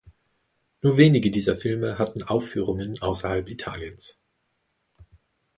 Nur wenige dieser Filme hatten Aufführungen außerhalb Italiens.